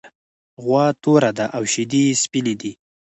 غوا توره ده او شیدې یې سپینې دي.